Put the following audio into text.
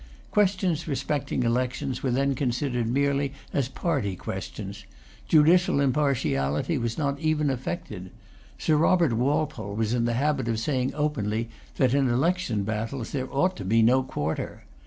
Questions respecting elections were then considered merely as party questions. Judicial impartiality was not even affected. Sir Robert Walpole was in the habit of saying openly that, in election battles, there ought to be no quarter.